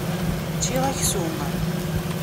Ččiɣ aksum.